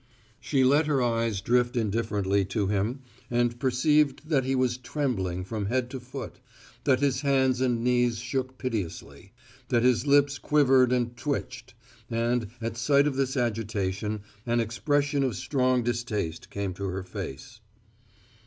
She let her eyes drift indifferently to him and perceived that he was trembling from head to foot; that his hands and knees shook piteously; that his lips quivered and twitched; and, at sight of this agitation, an expression of strong distaste came to her face.